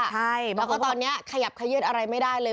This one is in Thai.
ใช่แล้วก็ตอนนี้ขยับขยืดอะไรไม่ได้เลย